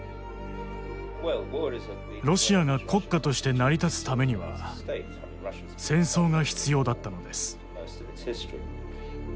ロシアが国家として成り立つためには戦争が必要だったのです。